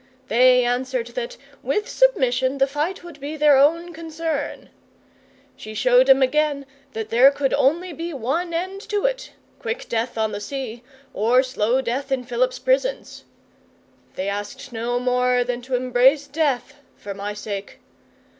They answered that, with submission, the fight would be their own concern. She showed 'em again that there could be only one end to it quick death on the sea, or slow death in Philip's prisons. They asked no more than to embrace death for my sake.